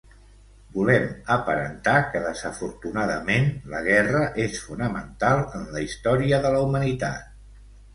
Volem aparentar que, desafortunadament, la guerra és fonamental en la història de la humanitat.